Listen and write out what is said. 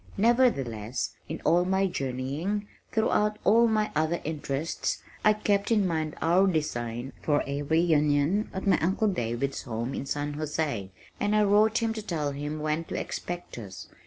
Nevertheless, in all my journeying, throughout all my other interests, I kept in mind our design for a reunion at my uncle David's home in San José, and I wrote him to tell him when to expect us.